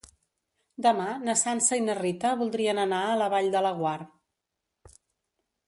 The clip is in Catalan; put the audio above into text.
Demà na Sança i na Rita voldrien anar a la Vall de Laguar.